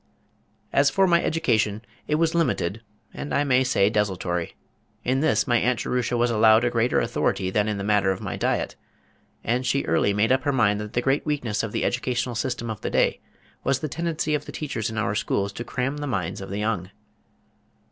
As for my education it was limited, and I may say desultory. In this my Aunt Jerusha was allowed a greater authority than in the matter of my diet, and she early made up her mind that the great weakness of the educational system of the day was the tendency of the teachers in our schools to cram the minds of the young.